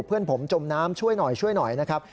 เพื่อนผมจมน้ำช่วยหน่อยนะครับ